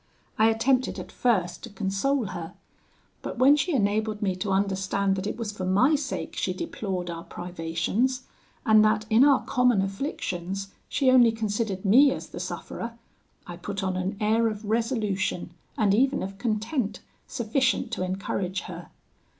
I attempted at first to console her; but when she enabled me to understand that it was for my sake she deplored our privations, and that in our common afflictions she only considered me as the sufferer, I put on an air of resolution, and even of content, sufficient to encourage her.